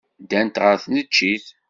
Ddant ɣer tneččit.